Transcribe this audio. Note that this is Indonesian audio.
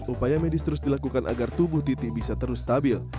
upaya medis terus dilakukan agar tubuh titi bisa terus stabil